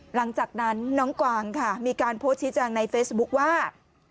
หลังจากนั้นน้องกวางค่ะมีการโพสต์ชี้แจงในเฟซบุ๊คว่า